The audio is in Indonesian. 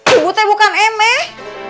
ibu teh bukan emeh